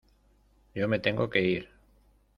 yo me tengo que ir.